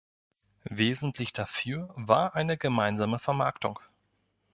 Wesentlich dafür war eine gemeinsame Vermarktung.